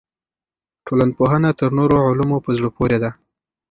ټولنپوهنه تر نورو علومو په زړه پورې ده.